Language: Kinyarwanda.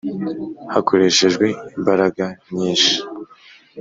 hakoreshejwe imbaraga nyinshi